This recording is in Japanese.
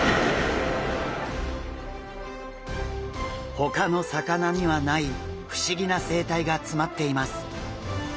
ほかの魚にはない不思議な生態が詰まっています。